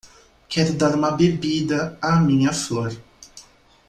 Quero dar uma bebida à minha flor.